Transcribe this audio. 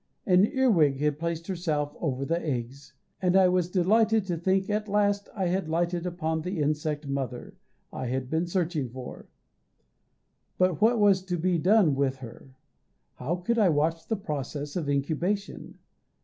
An earwig had placed herself over the eggs, and I was delighted to think at last I had lighted upon the insect mother I had been searching for. But what was to be done with her? How could I watch the process of incubation?